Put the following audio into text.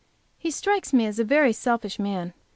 He strikes me as a very selfish man.